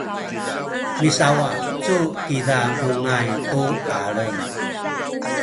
misawacu kiza ungay tu alem